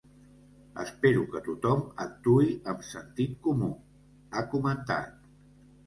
Espero que tothom actuï amb sentit comú, ha comentat.